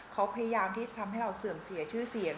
เขาพยายามที่จะทำให้เราเสื่อมเสียชื่อเสียง